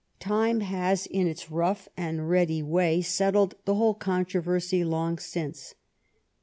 Time has in its rough and ready way settled the whole controversy long since.